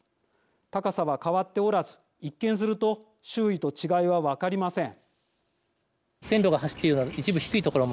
高さは変わっておらず一見すると周囲と違いは分かりません。